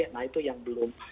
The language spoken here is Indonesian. nah itu yang belum